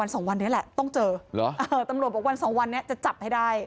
สองวันนี้แหละต้องเจอเหรอเออตำรวจบอกวันสองวันนี้จะจับให้ได้